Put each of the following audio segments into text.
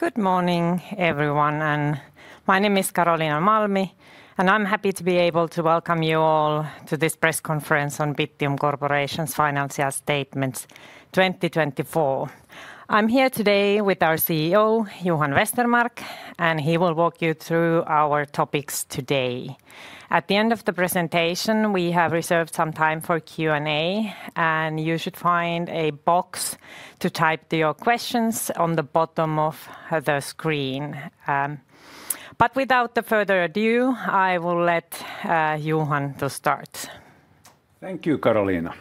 Good morning, everyone. My name is Karoliina Malmi, and I'm happy to be able to welcome you all to this press conference on Bittium Corporation's financial statements 2024. I'm here today with our CEO, Johan Westermarck, and he will walk you through our topics today. At the end of the presentation, we have reserved some time for Q&A, and you should find a box to type your questions on the bottom of the screen. But without further ado, I will let Johan to start. Thank you, Karoliina.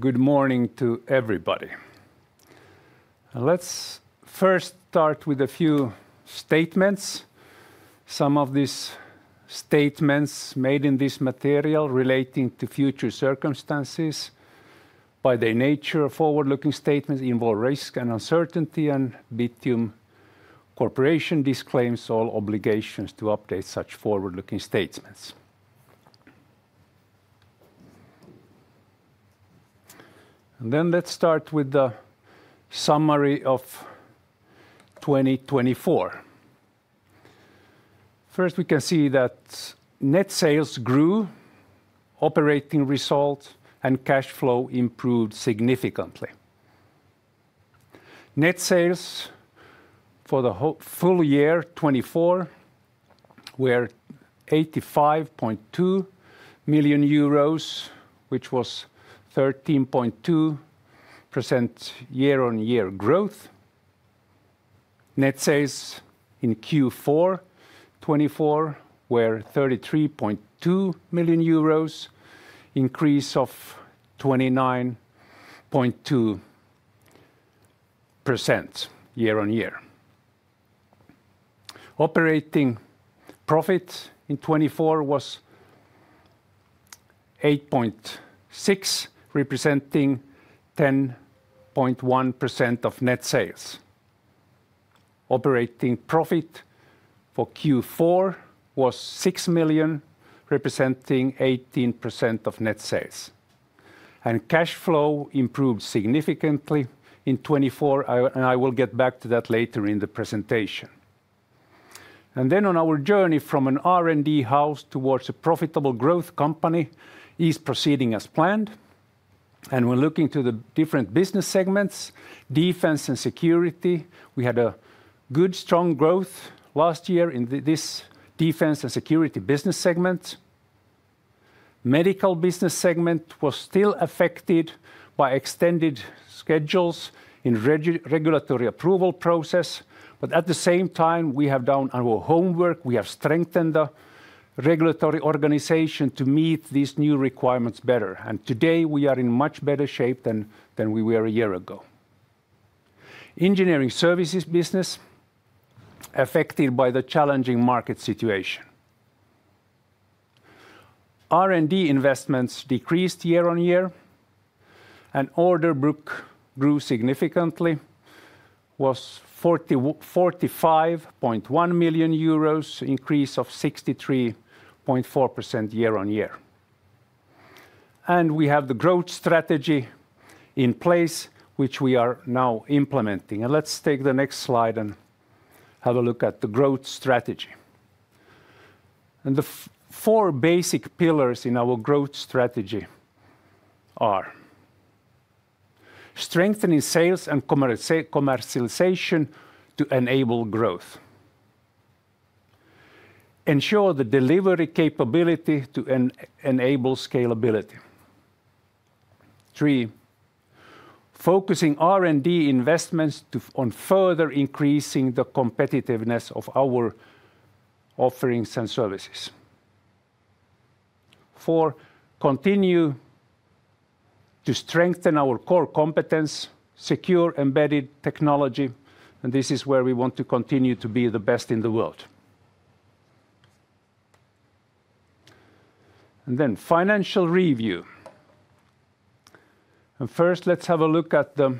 Good morning to everybody. Let's first start with a few statements. Some of these statements made in this material relating to future circumstances, by their nature, forward-looking statements involve risk and uncertainty, and Bittium Corporation disclaims all obligations to update such forward-looking statements. Let's start with the summary of 2024. First, we can see that net sales grew, operating result, and cash flow improved significantly. Net sales for the full year 2024 were EUR 85.2 million, which was 13.2% year-on-year growth. Net sales in Q4 2024 were EUR 33.2 million, increase of 29.2% year-on-year. Operating profit in 2024 was 8.6%, representing 10.1% of net sales. Operating profit for Q4 was 6 million, representing 18% of net sales. Cash flow improved significantly in 2024, and I will get back to that later in the presentation. And then on our journey from an R&D house towards a profitable growth company is proceeding as planned. And we're looking to the different business segments, Defense & Security. We had a good, strong growth last year in this Defense & Security business segment. Medical business segment was still affected by extended schedules in regulatory approval process, but at the same time, we have done our homework. We have strengthened the regulatory organization to meet these new requirements better. And today we are in much better shape than we were a year ago. Engineering Services business affected by the challenging market situation. R&D investments decreased year-on-year. And order book grew significantly, was 45.1 million euros, increase of 63.4% year-on-year. And we have the growth strategy in place, which we are now implementing. And let's take the next slide and have a look at the growth strategy. The four basic pillars in our growth strategy are strengthening sales and commercialization to enable growth, ensure the delivery capability to enable scalability. Three, focusing R&D investments on further increasing the competitiveness of our offerings and services. Four, continue to strengthen our core competence, secure embedded technology, and this is where we want to continue to be the best in the world. Then financial review. First, let's have a look at the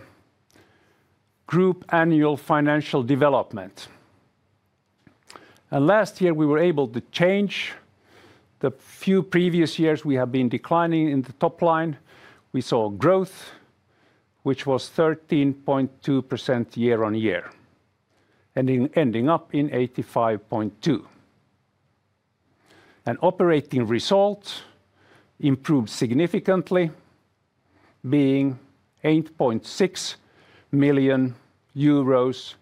group annual financial development. Last year, we were able to change. The few previous years, we have been declining in the top line. We saw growth, which was 13.2% year-on-year, ending up in 85.2 million. Operating result improved significantly, being 8.6 million euros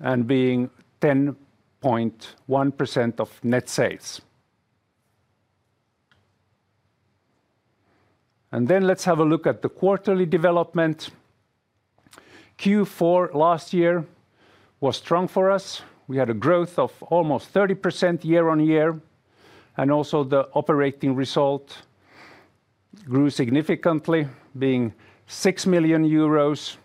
and being 10.1% of net sales. Then let's have a look at the quarterly development. Q4 last year was strong for us. We had a growth of almost 30% year-on-year, and also the operating result grew significantly, being 6 million euros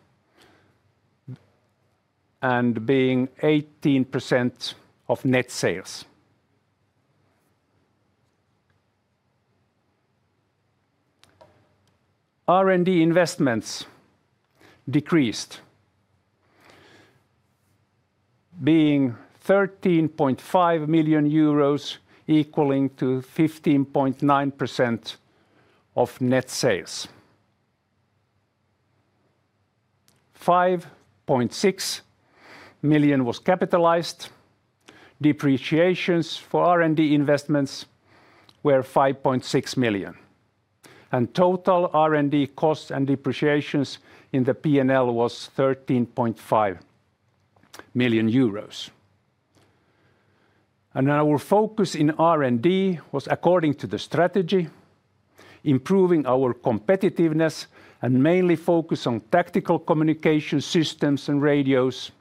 and being 18% of net sales. R&D investments decreased, being 13.5 million euros, equaling to 15.9% of net sales. EUR 5.6 million was capitalized. Depreciations for R&D investments were 5.6 million. And total R&D costs and depreciations in the P&L was 13.5 million euros. And our focus in R&D was, according to the strategy, improving our competitiveness and mainly focus on tactical communication systems and radios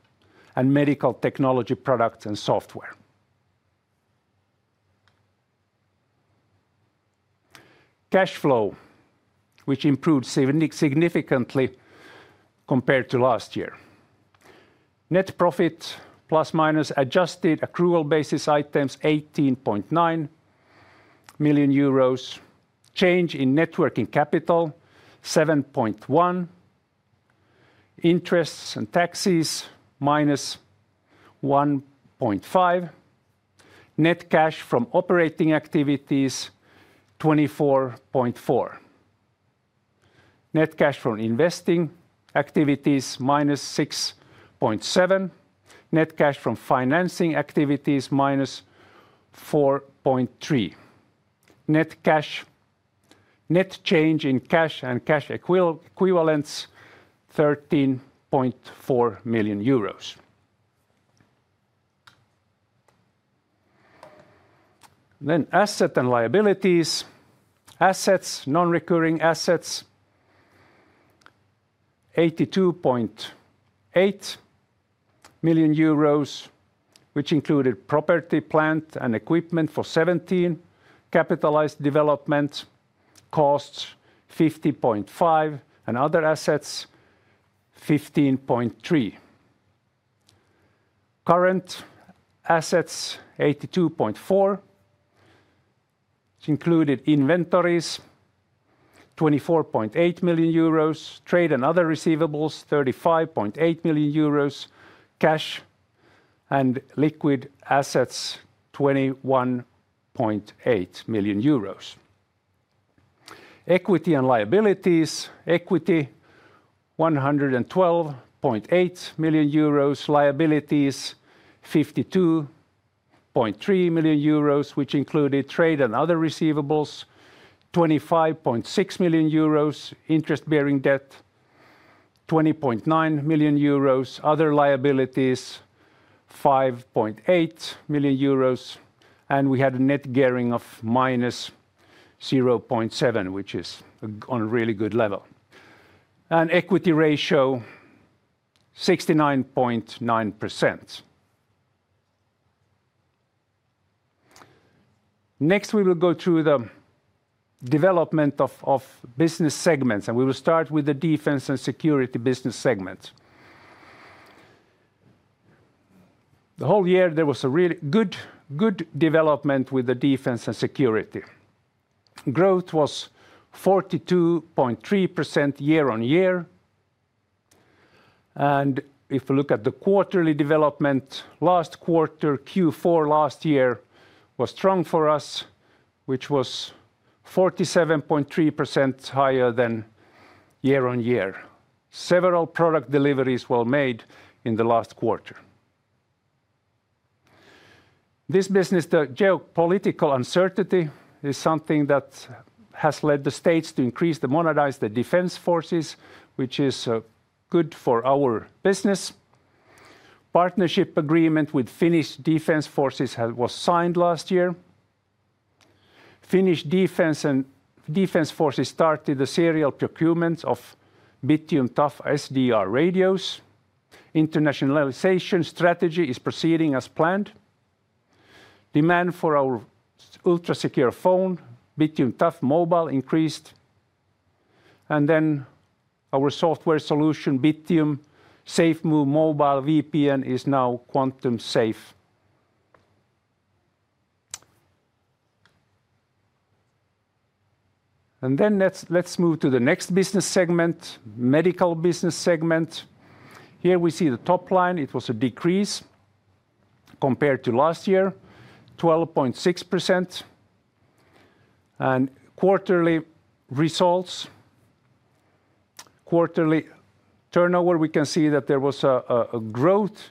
and medical technology products and software. Cash flow, which improved significantly compared to last year. Net profit plus minus adjusted accrual basis items 18.9 million euros, change in net working capital 7.1 million, interests and taxes -1.5 million, net cash from operating activities 24.4 million, net cash from investing activities -6.7 million, net cash from financing activities -4.3 million, net change in cash and cash equivalents 13.4 million euros. Assets and liabilities: non-current assets 82.8 million euros, which included property, plant, and equipment 17 million, capitalized development costs 50.5 million, and other assets 15.3 million. Current assets 82.4 million, which included inventories 24.8 million euros, trade and other receivables 35.8 million euros, cash and liquid assets 21.8 million euros. Equity and liabilities: equity 112.8 million euros, liabilities 52.3 million euros, which included trade and other payables 25.6 million euros, interest-bearing debt 20.9 million euros, other liabilities 5.8 million euros, and we had a net gearing of -0.7, which is on a really good level, and equity ratio 69.9%. Next, we will go through the development of business segments, and we will start with the Defense & Security business segment. The whole year, there was a really good development with the Defense & Security. Growth was 42.3% year-on-year. If we look at the quarterly development, last quarter, Q4 last year was strong for us, which was 47.3% higher than year-on-year. Several product deliveries were made in the last quarter. This business, the geopolitical uncertainty is something that has led the states to increase the modernize the defense forces, which is good for our business. Partnership agreement with Finnish Defence Forces was signed last year. Finnish Defence Forces started the serial procurement of Bittium Tough SDR radios. Internationalization strategy is proceeding as planned. Demand for our ultra-secure phone, Bittium Tough Mobile, increased. And then our software solution, Bittium SafeMove Mobile VPN, is now quantum-Safe. And then let's move to the next business segment, medical business segment. Here we see the top line. It was a decrease compared to last year, 12.6%. And quarterly results, quarterly turnover, we can see that there was a growth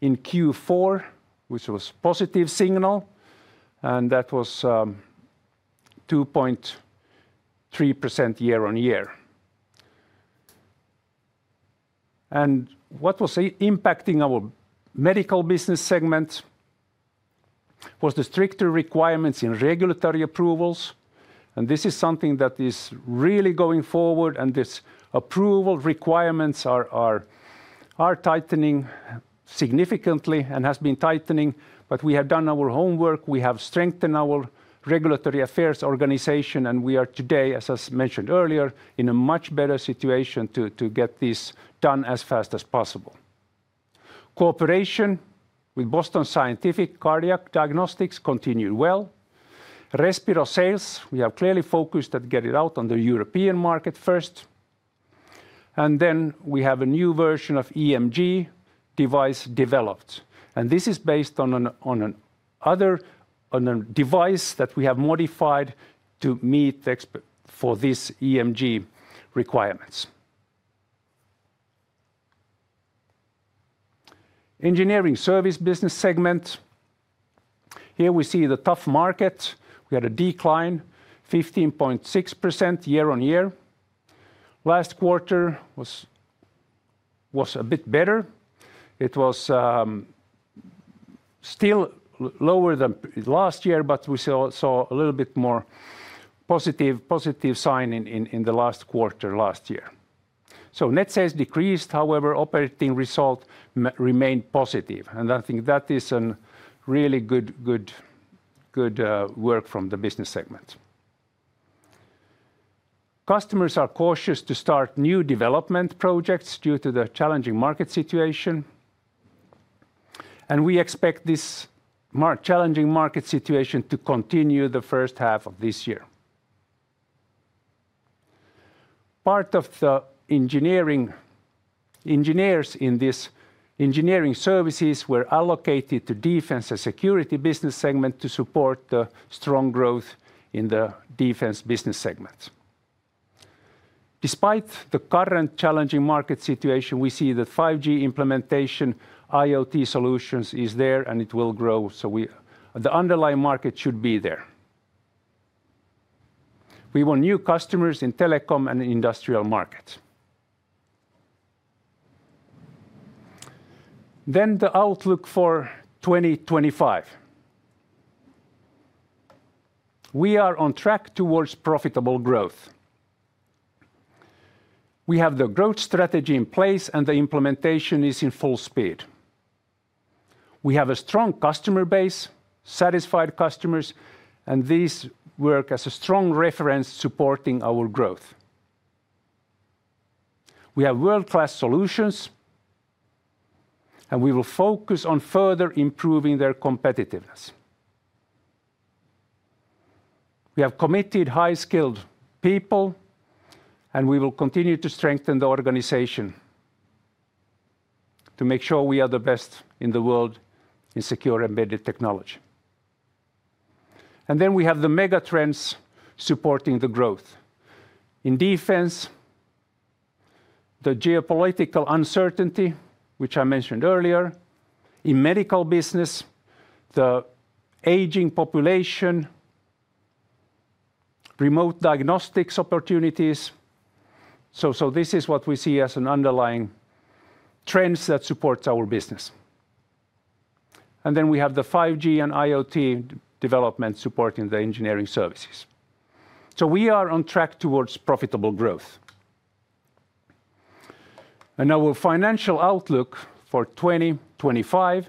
in Q4, which was a positive signal, and that was 2.3% year-on-year. And what was impacting our medical business segment was the stricter requirements in regulatory approvals. And this is something that is really going forward, and these approval requirements are tightening significantly and have been tightening. But we have done our homework. We have strengthened our regulatory affairs organization, and we are today, as I mentioned earlier, in a much better situation to get this done as fast as possible. Cooperation with Boston Scientific Cardiac Diagnostics continued well. Respiro sales, we have clearly focused on getting out on the European market first. And then we have a new version of EMG device developed. And this is based on another device that we have modified to meet for this EMG requirements. Engineering service business segment. Here we see the tough market. We had a decline of 15.6% year-on-year. Last quarter was a bit better. It was still lower than last year, but we saw a little bit more positive sign in the last quarter last year, so net sales decreased. However, operating result remained positive, and I think that is a really good work from the business segment. Customers are cautious to start new development projects due to the challenging market situation, and we expect this challenging market situation to continue the first half of this year. Part of the engineers in this Engineering Services were allocated to Defense & Security business segment to support the strong growth in the defense business segment. Despite the current challenging market situation, we see that 5G implementation, IoT solutions, is there and it will grow, so the underlying market should be there. We want new customers in telecom and industrial markets. Then the outlook for 2025. We are on track towards profitable growth. We have the growth strategy in place and the implementation is in full speed. We have a strong customer base, satisfied customers, and these work as a strong reference supporting our growth. We have world-class solutions, and we will focus on further improving their competitiveness. We have committed high-skilled people, and we will continue to strengthen the organization to make sure we are the best in the world in secure embedded technology. And then we have the mega trends supporting the growth. In defense, the geopolitical uncertainty, which I mentioned earlier. In medical business, the aging population, remote diagnostics opportunities. So this is what we see as an underlying trend that supports our business. And then we have the 5G and IoT development supporting the Engineering Services. So we are on track towards profitable growth. Our financial outlook for 2025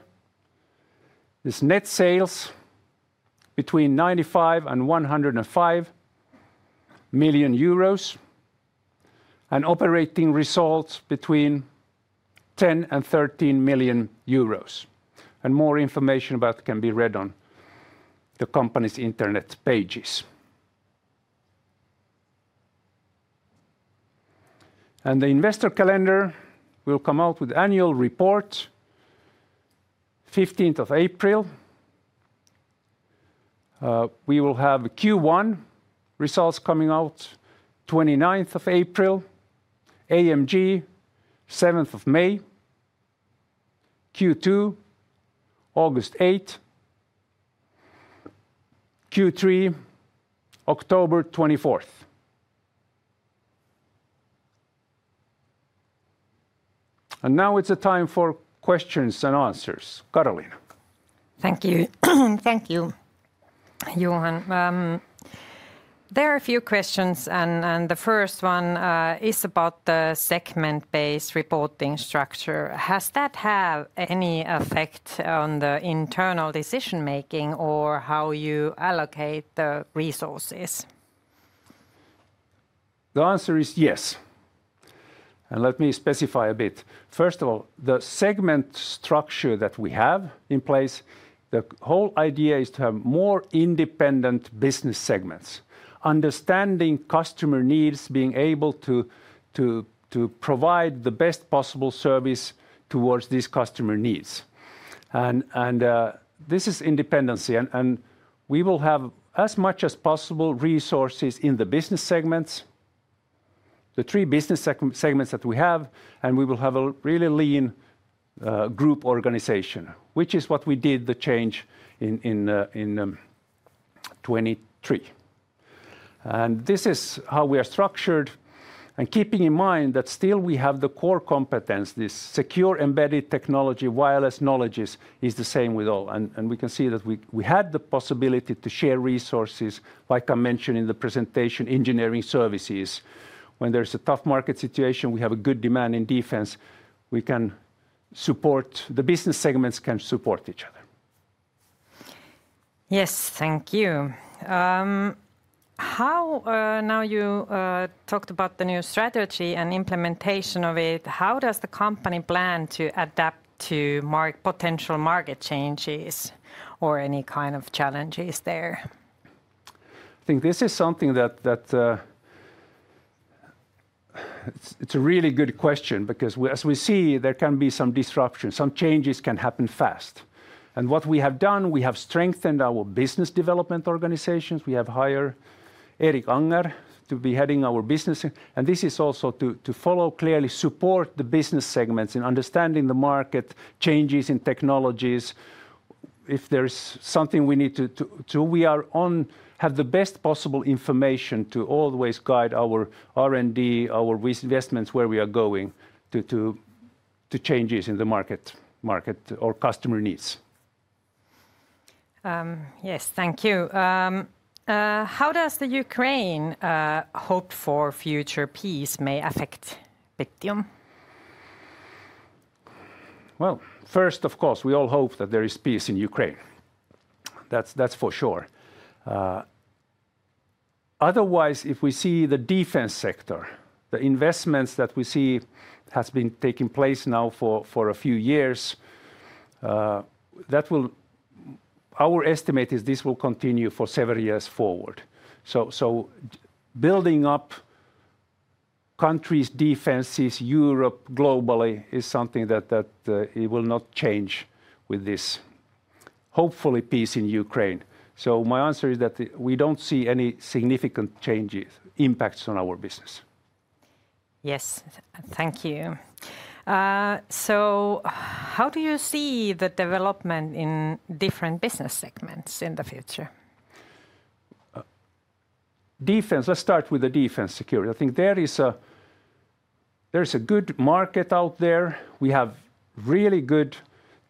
is net sales between 95 million and 105 million euros and operating results between 10 million and 13 million euros. More information about it can be read on the company's internet pages. The investor calendar will come out with annual reports 15th of April. We will have Q1 results coming out 29th of April, AGM 7th of May, Q2 August 8, Q3 October 24th. Now it's time for questions and answers. Karoliina. Thank you. Thank you, Johan. There are a few questions, and the first one is about the segment-based reporting structure. Has that had any effect on the internal decision-making or how you allocate the resources? The answer is yes. Let me specify a bit. First of all, the segment structure that we have in place, the whole idea is to have more independent business segments, understanding customer needs, being able to provide the best possible service towards these customer needs, and this is independency. We will have as much as possible resources in the business segments, the three business segments that we have, and we will have a really lean group organization, which is what we did the change in 2023. This is how we are structured, and keeping in mind that still we have the core competence, this secure embedded technology, wireless knowledge is the same with all. We can see that we had the possibility to share resources, like I mentioned in the presentation, Engineering Services. When there's a tough market situation, we have a good demand in defense. We can support the business segments can support each other. Yes, thank you. Now you talked about the new strategy and implementation of it. How does the company plan to adapt to potential market changes or any kind of challenges there? I think this is something that it's a really good question because as we see, there can be some disruption. Some changes can happen fast. And what we have done, we have strengthened our business development organizations. We have hired Erik Ahnger to be heading our business. And this is also to follow clearly, support the business segments in understanding the market changes in technologies. If there's something we need to do, we have the best possible information to always guide our R&D, our investments, where we are going to changes in the market or customer needs. Yes, thank you. How does the Ukraine hope for future peace may affect Bittium? First, of course, we all hope that there is peace in Ukraine. That's for sure. Otherwise, if we see the defense sector, the investments that we see have been taking place now for a few years, our estimate is this will continue for several years forward. Building up countries' defenses, Europe globally is something that it will not change with this hopefully peace in Ukraine. My answer is that we don't see any significant changes, impacts on our business. Yes, thank you. How do you see the development in different business segments in the future? Defense, let's start with the defense security. I think there is a good market out there. We have really good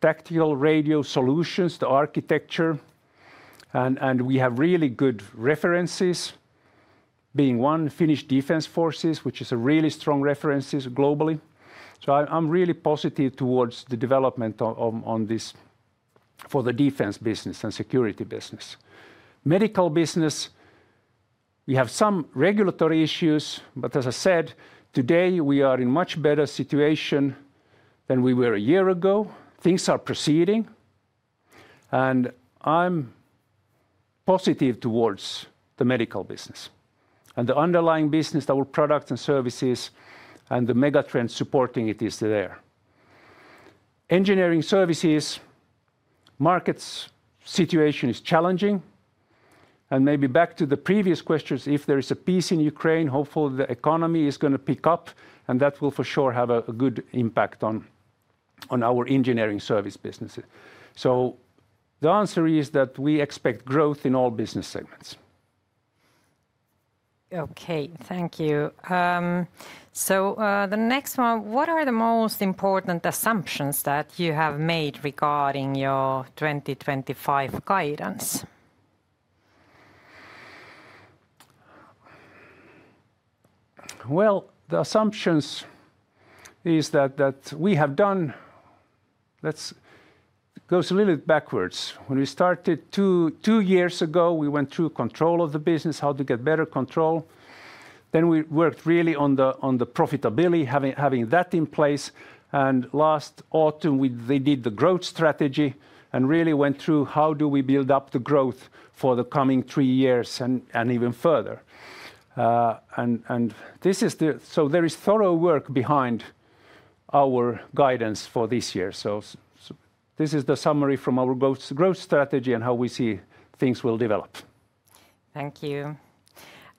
tactical radio solutions, the architecture, and we have really good references, being one Finnish Defence Forces, which is a really strong reference globally. So I'm really positive towards the development on this for the defense business and security business. Medical business, we have some regulatory issues, but as I said, today we are in a much better situation than we were a year ago. Things are proceeding. And I'm positive towards the medical business and the underlying business, our products and services and the mega trends supporting it is there. Engineering Services, markets situation is challenging. And maybe back to the previous questions, if there is a peace in Ukraine, hopefully the economy is going to pick up and that will for sure have a good impact on our engineering service businesses. So the answer is that we expect growth in all business segments. Okay, thank you. So the next one, what are the most important assumptions that you have made regarding your 2025 guidance? The assumptions is that we have done. Let's go a little bit backwards. When we started two years ago, we went through control of the business, how to get better control. Then we worked really on the profitability, having that in place. Last autumn, they did the growth strategy and really went through how do we build up the growth for the coming three years and even further. This is the, so there is thorough work behind our guidance for this year. This is the summary from our growth strategy and how we see things will develop. Thank you.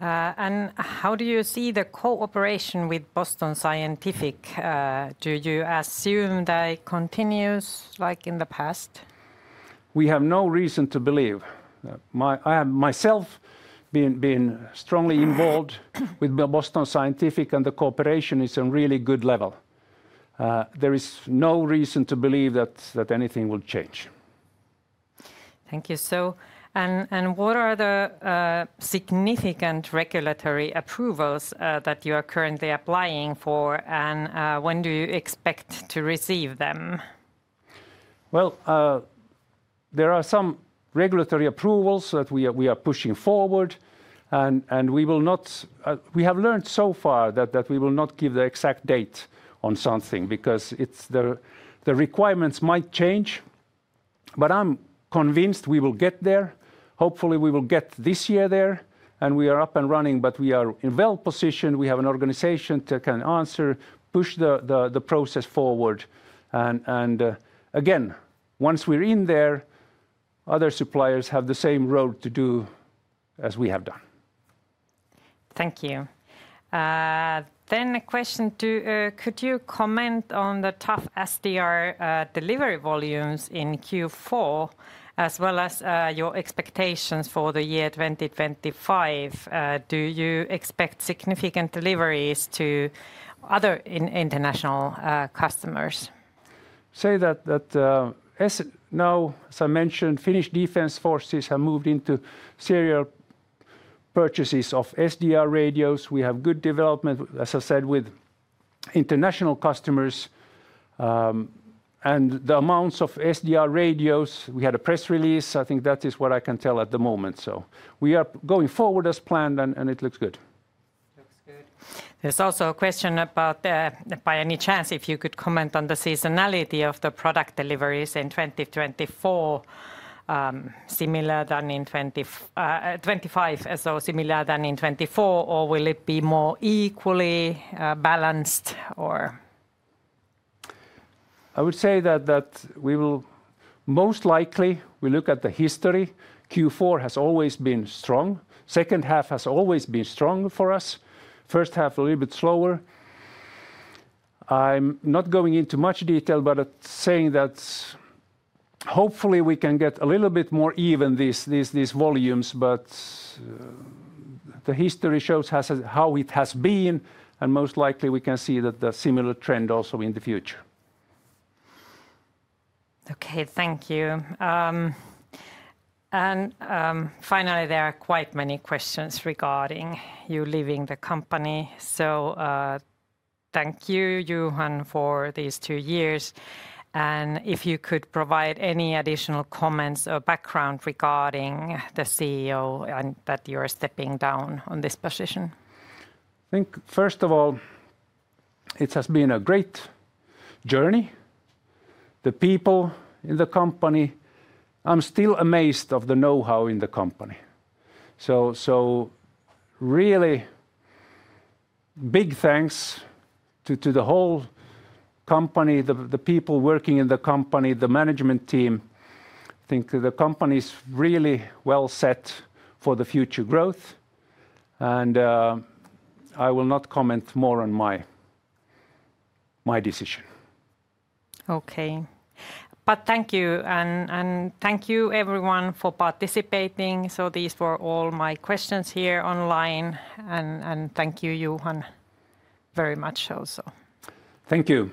How do you see the cooperation with Boston Scientific? Do you assume that it continues like in the past? We have no reason to believe. Myself being strongly involved with Boston Scientific and the cooperation is on a really good level. There is no reason to believe that anything will change. Thank you. What are the significant regulatory approvals that you are currently applying for and when do you expect to receive them? There are some regulatory approvals that we are pushing forward. We have learned so far that we will not give the exact date on something because the requirements might change. I'm convinced we will get there. Hopefully we will get there this year and we are up and running, but we are well positioned. We have an organization that can answer, push the process forward. Again, once we're in there, other suppliers have the same road to do as we have done. Thank you. A question to, could you comment on the Tough SDR delivery volumes in Q4 as well as your expectations for the year 2025?Do you expect significant deliveries to other international customers? As I mentioned, Finnish Defence Forces have moved into serial purchases of SDR radios. We have good development, as I said, with international customers, and the amounts of SDR radios, we had a press release. I think that is what I can tell at the moment, so we are going forward as planned and it looks good. Looks good. There's also a question about, by any chance, if you could comment on the seasonality of the product deliveries in 2024, similar than in 2025, so similar than in 2024, or will it be more equally balanced or? I would say that we will most likely, we look at the history, Q4 has always been strong. Second half has always been strong for us. First half a little bit slower. I'm not going into much detail, but saying that hopefully we can get a little bit more even these volumes, but the history shows how it has been. And most likely we can see that the similar trend also in the future. Okay, thank you. And finally, there are quite many questions regarding you leaving the company. So thank you, Johan, for these two years. And if you could provide any additional comments or background regarding the CEO and that you are stepping down on this position. I think first of all, it has been a great journey. The people in the company, I'm still amazed of the know-how in the company. So really big thanks to the whole company, the people working in the company, the management team. I think the company is really well set for the future growth. And I will not comment more on my decision. Okay, but thank you and thank you, everyone, for participating so these were all my questions here online and thank you, Johan, very much also. Thank you.